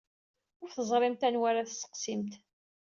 Ur teẓrimt anwa ara tesseqsimt.